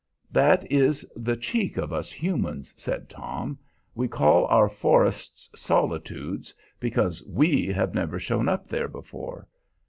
"That is the cheek of us humans," said Tom. "We call our forests solitudes because we have never shown up there before.